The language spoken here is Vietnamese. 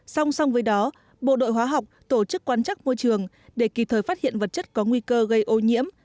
song song với đó bộ đội hóa học tổ chức quan chắc môi trường để kịp thời phát hiện vật chất có nguy cơ gây ô nhiễm